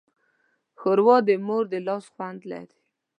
ښوروا د مور د لاس خوند لري.